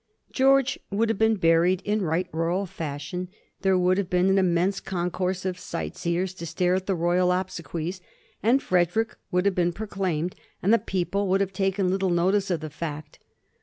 George would have been buried in right royal fashion; there would have been an immense concourse of sight seers to stare at the royal obsequies; and Frederick would have been pro claimed, and the people would have taken little notice of the fact.